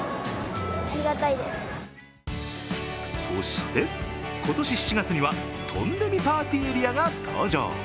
そして、今年７月にはトンデミパーティエリアが登場。